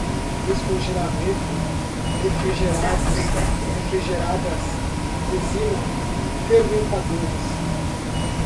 sorológicos, ductilômetro, descongelamento, refrigerados, refrigeradas, resina, fermentadores, reatores